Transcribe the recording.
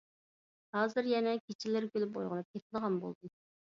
ھازىر يەنە كېچىلىرى كۈلۈپ ئويغىنىپ كېتىدىغان بولدۇم.